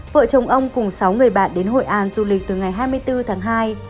vợ chồng ông cùng sáu người bạn đến hội an du lịch từ ngày hai mươi bốn tháng hai